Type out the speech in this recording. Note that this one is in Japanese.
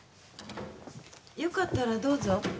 よかったらどうぞ。えっ？